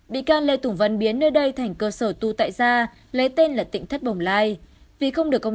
bị can lê tùng vân biến nơi đây thành cơ sở tu tại gia lấy tên là tỉnh thất bồng lai